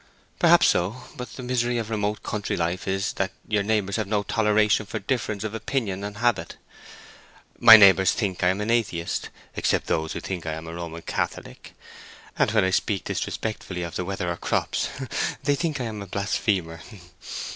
"Perhaps so. But the misery of remote country life is that your neighbors have no toleration for difference of opinion and habit. My neighbors think I am an atheist, except those who think I am a Roman Catholic; and when I speak disrespectfully of the weather or the crops they think I am a blasphemer."